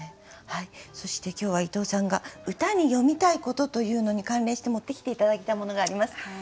そして今日は伊藤さんが歌に詠みたいことというのに関連して持ってきて頂いたものがあります。